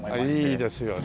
いいですよね。